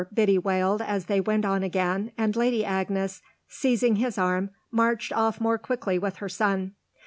Biddy wailed as they went on again and Lady Agnes, seizing his arm, marched off more quickly with her son.